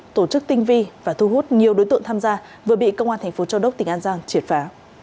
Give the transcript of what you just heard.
tổ chức tinh vi và thu hút nhiều đối tượng tham gia vừa bị công an thành phố châu đốc tỉnh an giang triệt phá